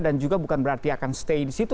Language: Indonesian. dan juga bukan berarti akan stay di situ